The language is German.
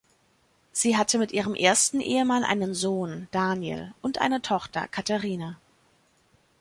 Sie hatte mit ihrem ersten Ehemann einen Sohn, Daniel, und eine Tochter, Katherine.